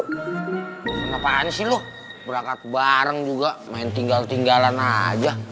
kenapaan sih lu berangkat bareng juga main tinggal tinggalan aja